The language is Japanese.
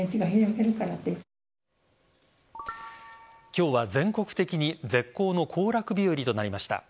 今日は全国的に絶好の行楽日和となりました。